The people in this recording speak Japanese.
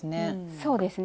そうですね。